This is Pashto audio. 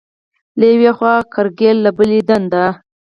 له یوې خوا کرکیله، له بلې دنده.